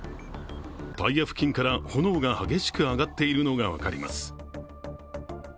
タイヤ付近から炎が激しく上がっているのが分かります。